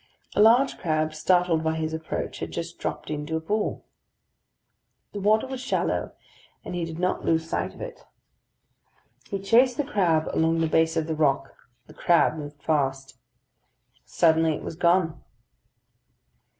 A large crab, startled by his approach, had just dropped into a pool. The water was shallow, and he did not lose sight of it. He chased the crab along the base of the rock; the crab moved fast. Suddenly it was gone.